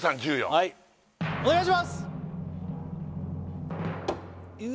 はいお願いします